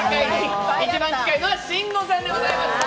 一番近いのは慎吾さんでございました。